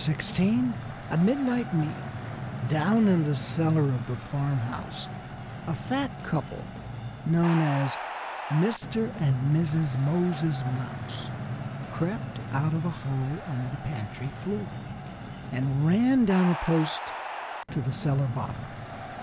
XVI A MIDNIGHT MEAL DOWN in the cellar of the farmhouse a fat couple known as Mr. and Mrs. Moses Mouse crept out of a hole under the pantry floor and ran down a post to the cellar bottom.